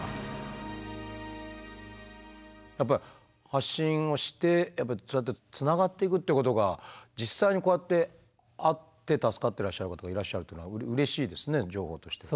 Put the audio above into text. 発信をしてやっぱりそうやってつながっていくっていうことが実際にこうやってあって助かってらっしゃる方もいらっしゃるというのはうれしいですね情報としては。